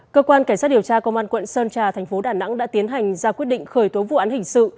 cơ quan cảnh sát điều tra công an quận sơn trà thành phố đà nẵng đã tiến hành ra quyết định khởi tố vụ án hình sự